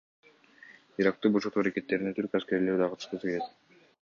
Иракты бошотуу аракеттерине түрк аскерлери да катышкысы келет.